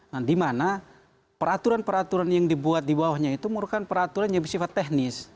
nah dimana peraturan peraturan yang dibuat di bawahnya itu merupakan peraturan yang bersifat teknis